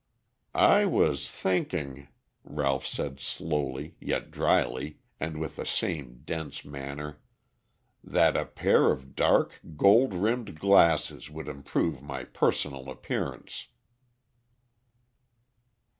"I was thinking," Ralph said slowly, yet drily, and with the same dense manner, "that a pair of dark, gold rimmed glasses would improve my personal appearance."